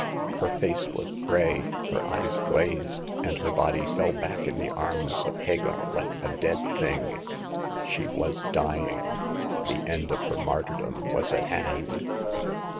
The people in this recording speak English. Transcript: Her face was gray, her eyes glazed, and her body fell back in the arms of Hagar like a dead thing. She was dying ; the end of her martyrdom was at hand.